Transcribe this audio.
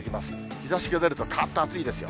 日ざしが出るとかーっと暑いですよ。